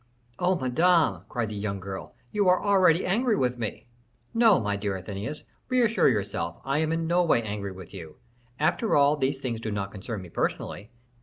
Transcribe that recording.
"Oh, Madame," cried the young girl, "you are already angry with me." "No, my dear Athenais, reassure yourself, I am in no way angry with you. After all, these things do not concern me personally.